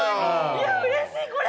いやうれしいこれ。